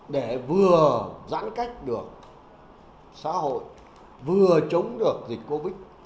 để vừa giãn cách được xã hội vừa chống được dịch covid